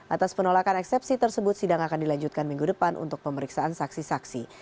atas penolakan eksepsi tersebut sidang akan dilanjutkan minggu depan untuk pemeriksaan saksi saksi